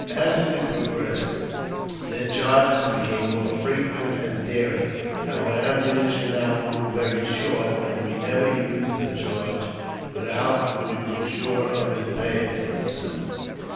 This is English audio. As we progressed, their charges became more frequent and daring ; our ammuni tion now grew very short, and we never used a charge without we were sure of its paying for itself.